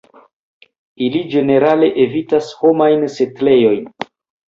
Ili ĝenerale evitas homajn setlejojn.